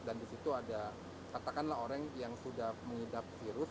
dan di situ ada katakanlah orang yang sudah mengidap virus